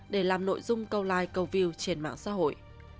để làm nội dung câu like câu view trên mạng xã hội